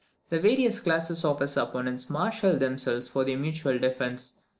The various classes of his opponents marshalled themselves for their mutual defence.